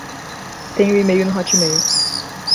Tenho e-mail no Hotmail